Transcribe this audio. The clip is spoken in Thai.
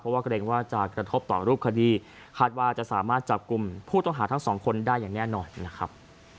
เพราะว่าเกรงว่าจะกระทบต่อรูปคดีคาดว่าจะสามารถจับกลุ่มผู้ต้องหาทั้งสองคนได้อย่างแน่นอนนะครับ